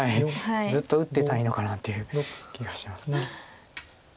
ずっと打ってたいのかなっていう気がします。